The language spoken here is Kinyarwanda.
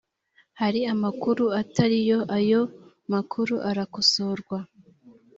hari amakuru atari yo ayo makuru arakosorwa